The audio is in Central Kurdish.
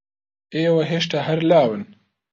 ئێوە ھێشتا ھەر لاون.